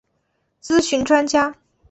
咨询专家